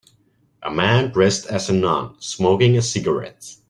A man dressed as a nun smoking a cigarette